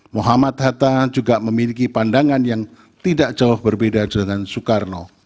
muhammad hatta juga memiliki pandangan yang tidak jauh berbeda dengan soekarno